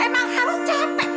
emang harus capek